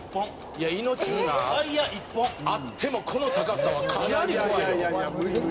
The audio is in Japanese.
「いや命綱あってもこの高さはかなり怖いよ」